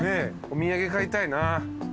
お土産買いたいな。